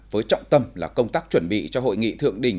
với trọng tâm là công tác chuẩn bị cho hội nghị thượng đỉnh